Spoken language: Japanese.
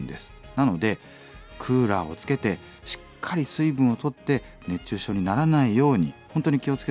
なのでクーラーをつけてしっかり水分をとって熱中症にならないように本当に気を付けて下さい。